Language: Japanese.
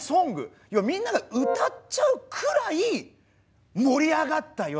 みんなが歌っちゃうくらい盛り上がったよと。